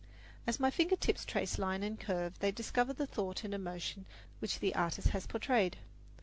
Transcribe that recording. As my finger tips trace line and curve, they discover the thought and emotion which the artist has portrayed.